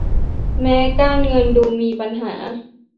แม้การเงินดูมีปัญหา